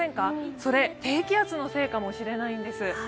それ、低気圧のせいかもしれないんです。